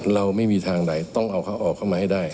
เราไม่มีทางใดต้องเอาเขาออกเข้ามาให้ได้